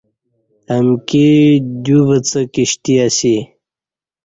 امکی دیو وڅہ کشتی اسی